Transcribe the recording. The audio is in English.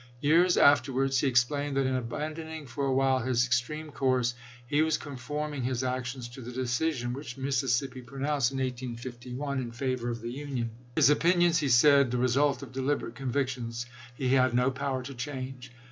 Years afterwards he explained that in abandoning for a while his ex treme course, he was conforming his actions to the decision which Mississippi pronounced in 1851 in favor of the Union. " His opinions," he said, " the result of deliberate convictions, he had no power to change."